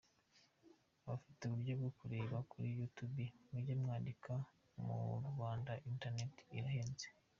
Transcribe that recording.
abadafite uburyo bwo kureba kuri YouTube mujye mwandika murwanda internet irahenze